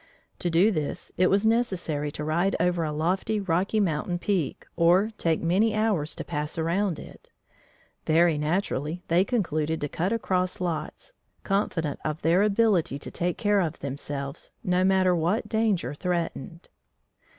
To do this, it was necessary to ride over a lofty Rocky Mountain peak or take many hours to pass around it. Very naturally they concluded to "cut across lots," confident of their ability to take care of themselves, no matter what danger threatened.